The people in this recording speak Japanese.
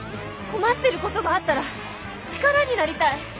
困ってることがあったら力になりたい。